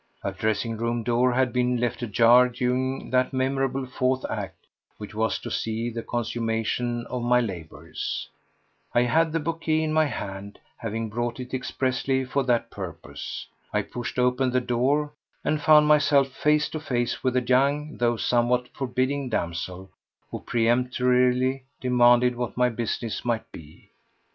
Her dressing room door had been left ajar during that memorable fourth act which was to see the consummation of my labours. I had the bouquet in my hand, having brought it expressly for that purpose. I pushed open the door, and found myself face to face with a young though somewhat forbidding damsel, who peremptorily demanded what my business might be.